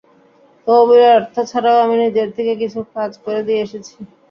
তহবিলের অর্থ ছাড়াও আমি নিজের থেকে কিছু কাজ করে দিয়ে এসেছি।